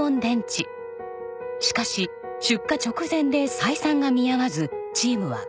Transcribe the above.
しかし出荷直前で採算が見合わずチームは解散。